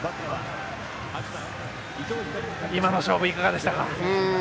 今の勝負、いかがでしたか？